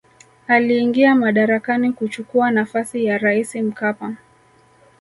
aliingia madarakani kuchukua nafasi ya raisi mkapa